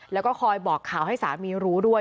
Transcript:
แล้วก็คอยบอกข่าวให้สามีรู้ด้วย